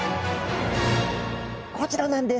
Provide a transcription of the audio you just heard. こちらなんです！